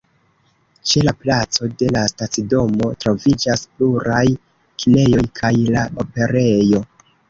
Ĉe la placo de la stacidomo troviĝas pluraj kinejoj kaj la Operejo.